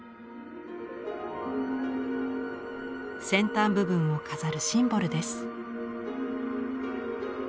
先端部分を飾るシンボルです。